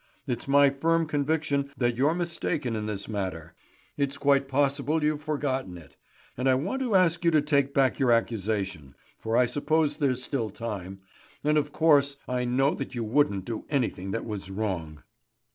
It's my firm conviction that you're mistaken in this matter. It's quite possible you've forgotten it. And I want to ask you to take back your accusation, for I suppose there's still time, and of course I know that you wouldn't do anything that was wrong."